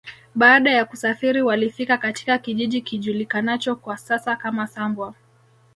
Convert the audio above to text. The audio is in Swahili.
Baada ya kusafiri walifika katika kijiji kijulikanacho kwa sasa kama Sambwa